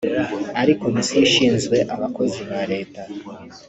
ari Komisiyo Ishinzwe Abakozi ba Leta